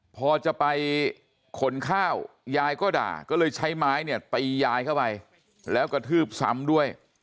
พอจะไปขนข้าวยายก็ด่าก็เลยใช้ไม้เนี่ยตียายเข้าไปแล้วกระทืบซ้ำด้วย